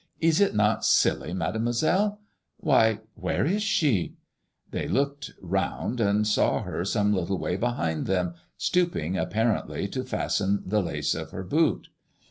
Is it not silly. Mademoi selle Why, where is she ?" They looked round and saw her some little way behind them, stooping, apparently to fasten the lace of her boot.